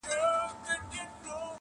ما خو دا خبره اورېدلې د ممبره وه